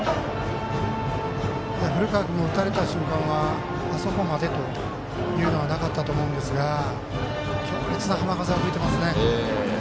古川君も打たれた瞬間はあそこまでというのはなかったと思うんですが強烈な浜風が吹いてますね。